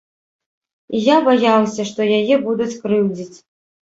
І я баяўся, што яе будуць крыўдзіць.